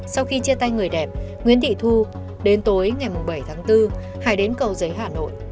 sau khi chia tay người đẹp nguyễn thị thu đến tối ngày bảy tháng bốn hải đến cầu giấy hà nội